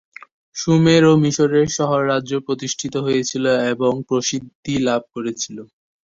সুমের ও মিশরের শহর রাজ্য প্রতিষ্ঠিত হয়েছিল এবং প্রসিদ্ধি লাভ করেছিল।